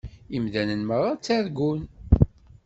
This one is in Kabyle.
Imdanen meṛṛa ttargun.